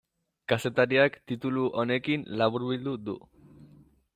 Kazetariak titulu honekin laburbildu du.